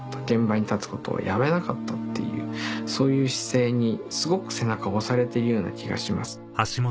現場に立つことをやめなかったっていうそういう姿勢にすごく背中を押されているような気がします。